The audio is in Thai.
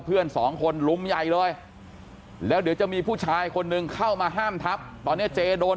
เพื่อนสองคนลุมใหญ่เลยแล้วเดี๋ยวจะมีผู้ชายคนหนึ่งเข้ามาห้ามทับตอนนี้เจโดน